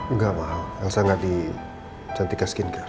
enggak mbak elsa gak di cantika skincare